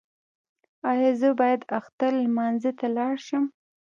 ایا زه باید اختر لمانځه ته لاړ شم؟